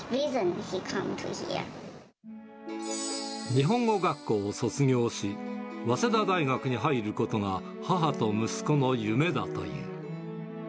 日本語学校を卒業し、早稲田大学に入ることが母と息子の夢だという。